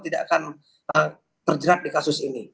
tidak akan terjerat di kasus ini